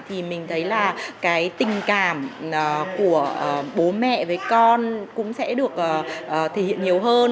thì mình thấy là cái tình cảm của bố mẹ với con cũng sẽ được thể hiện nhiều hơn